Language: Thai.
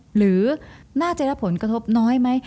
หรือน่าจะรับผลกระทบน้อยไหม